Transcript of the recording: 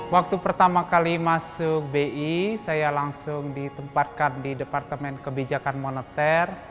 waktu pertama kali masuk bi saya langsung ditempatkan di departemen kebijakan moneter